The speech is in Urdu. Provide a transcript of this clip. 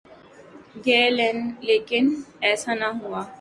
گے لیکن ایسا نہ ہوا۔